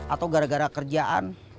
atau gara gara kerjaan